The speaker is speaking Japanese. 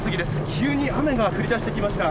急に雨が降り出してきました。